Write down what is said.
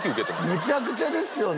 めちゃくちゃですよね。